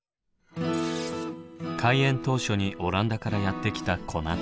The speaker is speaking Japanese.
開園当初にオランダからやって来たコナツ３３歳。